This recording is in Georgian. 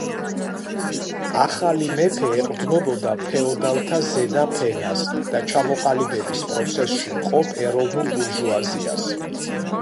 ახალი მეფე ეყრდნობოდა ფეოდალთა ზედა ფენას და ჩამოყალიბების პროცესში მყოფ ეროვნულ ბურჟუაზიას.